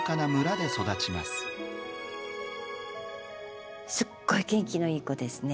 すっごい元気のいい子ですね。